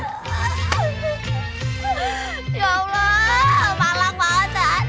ya allah malang banget